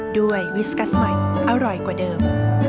วิสกัสใหม่อร่อยกว่าเดิม